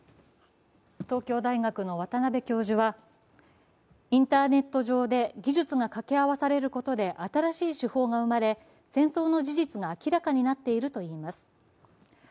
東京大学の渡邉教授は、インターネット上で技術がかけ合わされることで新たな手法が生まれ戦争の事実が明らかになっていると言います。